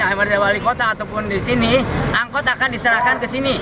mrt wali kota ataupun di sini angkot akan diserahkan ke sini